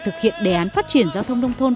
thực hiện đề án phát triển giao thông nông thôn